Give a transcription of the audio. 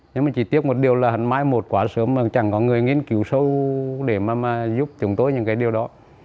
nhưng mà chỉ tiếc một điều là hẳn mai một quá sớm chẳng có người nghiên cứu sâu để mà giúp chúng tôi những cái điều đó